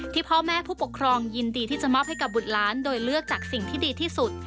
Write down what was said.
พ่อแม่ผู้ปกครองยินดีที่จะมอบให้กับบุตรล้านโดยเลือกจากสิ่งที่ดีที่สุด